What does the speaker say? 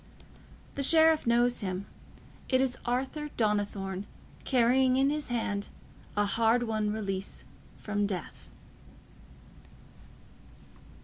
The Sheriff knows him: it is Arthur Donnithorne, carrying in his hand a hard won release from death.